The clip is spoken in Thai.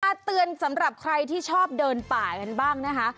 เตือนสำหรับใครที่ชอบเดินป่ากันบ้างนะคะ